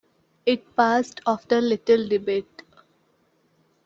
It passed after little debate.